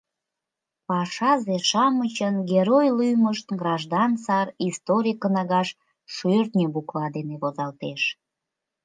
Пашазе-шамычын герой лӱмышт граждан сар историй кнагаш шӧртньӧ буква дене возалтеш.